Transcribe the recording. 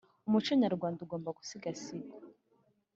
Umuco nyarwanda ugomba gusigasirwa